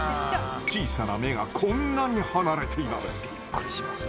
小さな目がこんなに離れています。